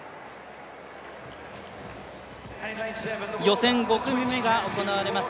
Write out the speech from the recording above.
予選５組目が行われます